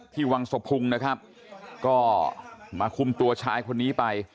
วังสะพุงนะครับก็มาคุมตัวชายคนนี้ไป